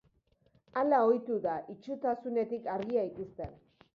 Hala ohitu da itsutasunetik argia ikusten.